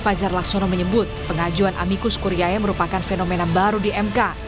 fajar laksono menyebut pengajuan amikus kurya merupakan fenomena baru di mk